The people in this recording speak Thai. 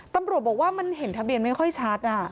ตำรวจบอกว่ามันเห็นทะเบียนไม่ค่อยชัด